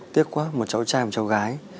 tiếc quá một cháu trai một cháu gái